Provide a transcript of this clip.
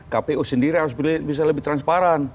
kpu sendiri harus bisa lebih transparan